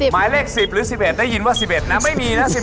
หมายเลข๑๐หรือ๑๑ได้ยินว่า๑๑นะไม่มีนะ